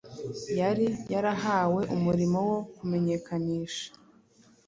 Yari yarahawe umurimo wo kumenyekanisha